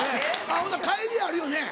ほな帰りあるよね？